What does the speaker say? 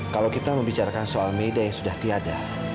kalo kita membicarakan soal meda yang sudah tiada